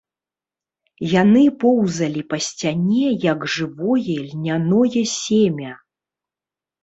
Яны поўзалі па сцяне, як жывое льняное семя.